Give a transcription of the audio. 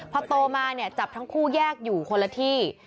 พอโตมาเนี่ยจับทั้งคู่แยกอยู่คนละที่